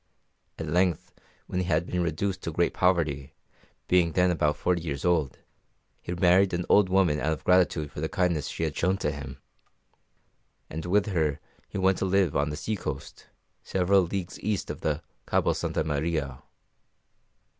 At length when he had been reduced to great poverty, being then about forty years old, he married an old woman out of gratitude for the kindness she had shown to him; and with her he went to live on the sea coast, several leagues east of Cabo Santa Maria.